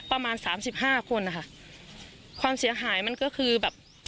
ประมาณสามสิบห้าคนนะคะความเสียหายมันก็คือแบบ